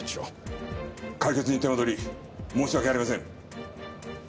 解決に手間取り申し訳ありません！